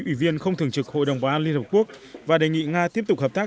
ủy viên không thường trực hội đồng bảo an liên hợp quốc và đề nghị nga tiếp tục hợp tác